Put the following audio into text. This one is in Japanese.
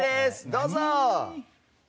どうぞ。